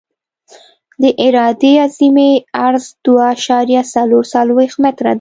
د عرادې اعظمي عرض دوه اعشاریه څلور څلویښت متره دی